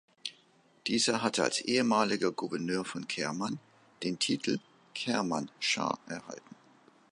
Dieser hatte als ehemaliger Gouverneur von Kerman den Titel "Kerman Schah" erhalten.